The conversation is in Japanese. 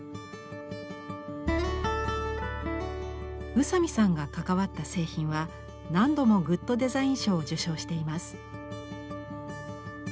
宇佐美さんが関わった製品は何度もグッドデザイン賞を受賞しています。